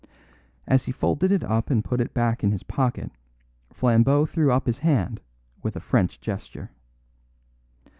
As he folded it up and put it back in his pocket Flambeau threw up his hand with a French gesture.